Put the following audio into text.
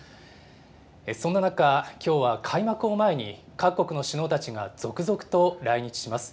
そんな中、きょうは開幕を前に、各国の首脳たちが続々と来日します。